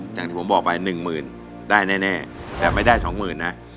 อย่างที่ผมบอกไป๑หมื่นได้แน่แต่ไม่ได้สองหมื่นนะ